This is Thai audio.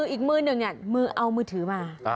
อีกมือนึงเอามือถือมา